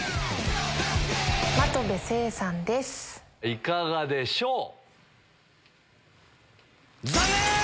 いかがでしょう？